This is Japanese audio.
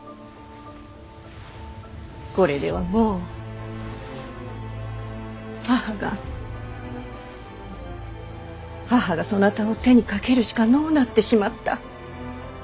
これではもう母が母がそなたを手にかけるしかのうなってしまった！